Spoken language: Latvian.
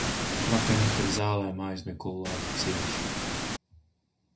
Vakarnakt ar zālēm aizmigu labi, cieši.